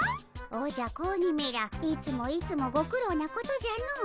おじゃ子鬼めらいつもいつもご苦労なことじゃの。